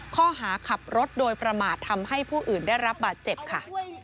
ข้อหาขับรถโดยประมาททำให้ผู้อื่นได้รับบาดเจ็บค่ะ